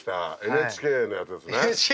ＮＨＫのやつです。